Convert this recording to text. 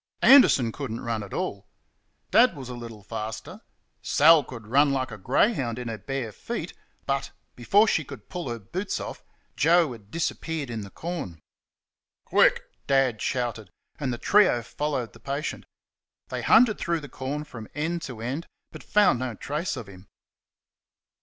Anderson could n't run at all; Dad was little faster; Sal could run like a greyhound in her bare feet, but, before she could pull her boots off, Joe had disappeared in the corn. "Quick!" Dad shouted, and the trio followed the patient. They hunted through the corn from end to end, but found no trace of him.